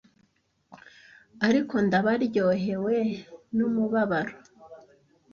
ariko ndabaryohewe numubabaro